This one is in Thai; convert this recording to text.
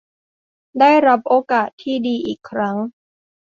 ได้รับโอกาสที่ดีอีกครั้ง